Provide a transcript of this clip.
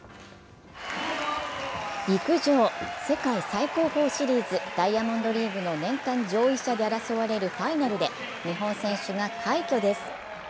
陸上、世界最高峰シリーズ、ダイヤモンドリーグの年間上位者で争われるファイナルで日本選手が快挙です。